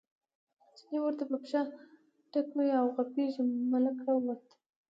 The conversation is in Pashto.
چیني ور په پښه ټکوي او غپېږي، ملک راووت.